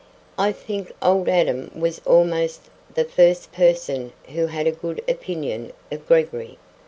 I think old Adam was almost the first person who had a good opinion of Gregory.